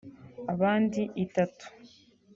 abandi itatu